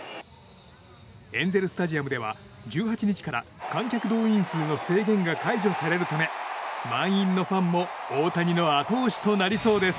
エンゼル・スタジアムでは１８日から観客動員数の制限が解除されるため満員のファンも大谷の後押しとなりそうです。